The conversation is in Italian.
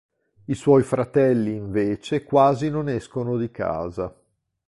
I suoi fratelli, invece, quasi non escono di casa.